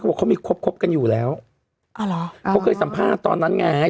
บอกเขามีครบคบกันอยู่แล้วอ๋อเหรอเขาเคยสัมภาษณ์ตอนนั้นไง